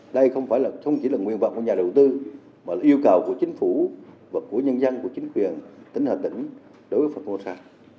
đây không chỉ là nguyên vọng của nhà đầu tư mà là yêu cầu của chính phủ và của nhân dân của chính quyền tỉnh hà tĩnh đối với formosa